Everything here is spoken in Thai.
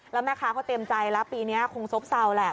แล้วแม่ค้าเขาเตรียมใจแล้วปีนี้คงซบเศร้าแหละ